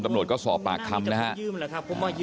ตำรวจก็สอบปากคำนะครับ